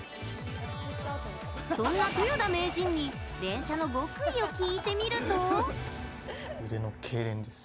そんな豊田名人に連射の極意を聞いてみると。